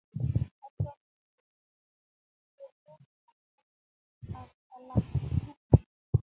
Achamin kosir ye tos mwa ng'alek alak tukul